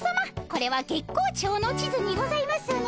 これは月光町の地図にございますね？